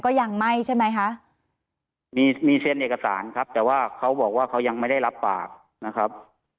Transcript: ก็ยังไม่ใช่ไหมคะมีมีเซ็นเอกสารครับแต่ว่าเขาบอกว่าเขายังไม่ได้รับปากนะครับ